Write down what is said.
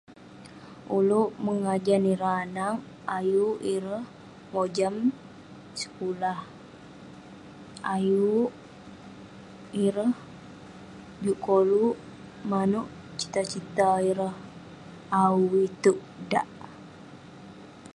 Oluek megajan ireh anag ayuk ireh mojam sekulah ayuk ireh juk koluk manuek cita-cita ireh au ituek dak